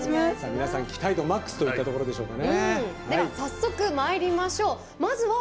皆さん期待度マックスといったところでしょうかね。